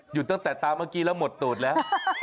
ตั้งแต่ตามเมื่อกี้แล้วหมดตูดแล้ว